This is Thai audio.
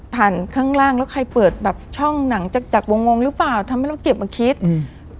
ข้างล่างแล้วใครเปิดแบบช่องหนังจากจากวงงงหรือเปล่าทำให้เราเก็บมาคิดอืม